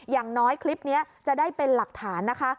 อย่างน้อยคลิปนี้จะได้เป็นหลักฐานนะคะ